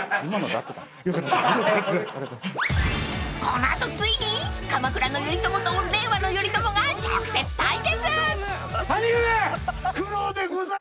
［この後ついに鎌倉の頼朝と令和の頼朝が直接対決］